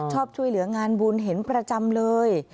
ชอบช่วยเหลืองานบุญเห็นประจำเลย